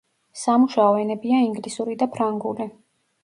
სამუშო ენებია ინგლისური და ფრანგული.